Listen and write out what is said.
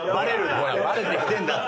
ほらバレてきてるんだって。